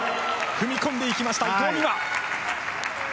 踏み込んでいきました伊藤美誠！